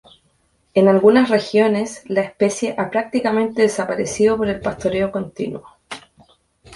En algunas regiones la especie ha prácticamente desaparecido por el pastoreo continuo.